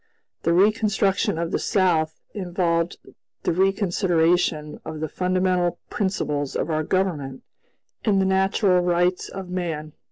The reconstruction of the South involved the reconsideration of the fundamental principles of our Government and the natural rights of man.